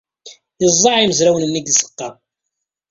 Yeẓẓeɛ imezrawen-nni seg tzeɣɣa.